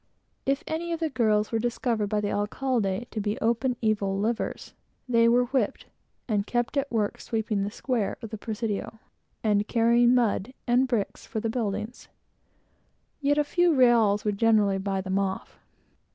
If any of the girls were discovered by the alcalde to be open evil livers, they were whipped, and kept at work sweeping the square of the presidio, and carrying mud and bricks for the buildings; yet a few reáls would generally buy them off.